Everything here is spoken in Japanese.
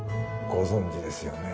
ご存じですよね？